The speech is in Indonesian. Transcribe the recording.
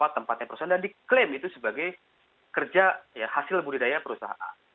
tempatnya perusahaan dan diklaim itu sebagai kerja hasil berusahaan